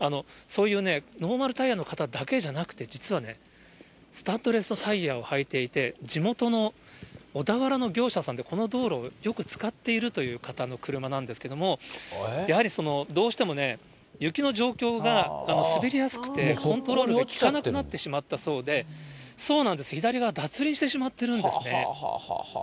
そういうね、ノーマルタイヤの方だけじゃなくて、実はね、スタッドレスタイヤを履いていて、地元の小田原の業者さんでこの道路をよく使っているという方の車なんですけれども、やはりどうしてもね、雪の状況が滑りやすくて、コントロールが利かなくなってしまったそうで、左が脱輪してしまってるんですね。